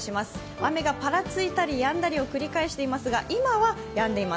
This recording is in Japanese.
雨がぱらついたり、やんだりを繰り返していますが、今はやんでいます。